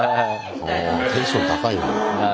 テンション高いな。